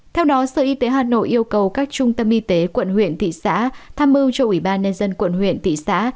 theo đó sở y tế hà nội yêu cầu các trung tâm y tế quận huyện thị xã tham mưu cho ủy ban nhân dân quận huyện thị xã